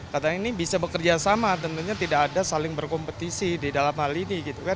katanya ini bisa bekerjasama tentunya tidak ada saling berkompetisi di dalam hal ini